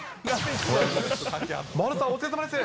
丸さん、お疲れさまです。